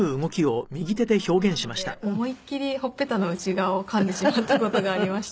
パンがふわふわなので思いっきりほっぺたの内側をかんでしまった事がありました。